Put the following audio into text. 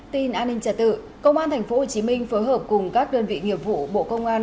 tin an ninh trả tự công an tp hcm phối hợp cùng các đơn vị nghiệp vụ bộ công an